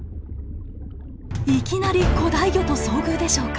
いきなり古代魚と遭遇でしょうか？